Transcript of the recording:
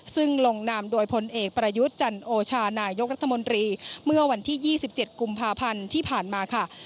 ซึ่งลงนามโดยพลเอกประยุทธ์จันโอชานายกรัฐมนตรีเมื่อวันที่๒๗กุมภาพันธ์ที่ผ่านมาค่ะ